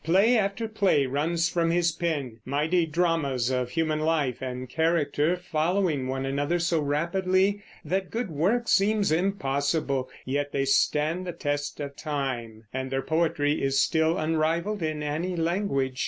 Play after play runs from his pen, mighty dramas of human life and character following one another so rapidly that good work seems impossible; yet they stand the test of time, and their poetry is still unrivaled in any language.